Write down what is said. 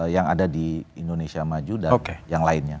yang ada di indonesia maju dan yang lainnya